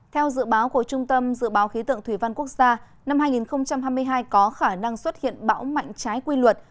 theo dự báo của trung tâm dự báo khí tượng thủy văn quốc gia năm hai nghìn hai mươi hai có khả năng xuất hiện bão mạnh trái quy luật